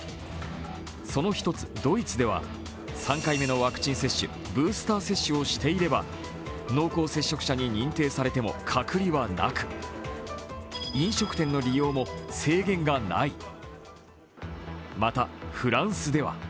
その一つ、ドイツでは３回目のワクチン接種ブースター接種をしていれば濃厚接触者に認定されても隔離はなく飲食店の利用も制限がない。